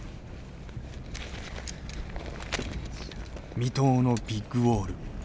未踏のビッグウォール。